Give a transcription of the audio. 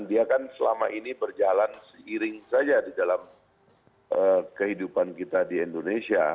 dia kan selama ini berjalan seiring saja di dalam kehidupan kita di indonesia